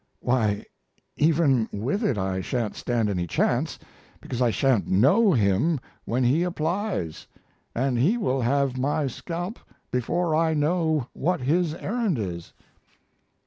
"Why, even with it I sha'n't stand any chance, because I sha'n't know him when he applies, and he will have my scalp before I know what his errand is."